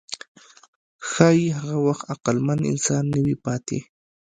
ښایي هغه وخت عقلمن انسان نه وي پاتې.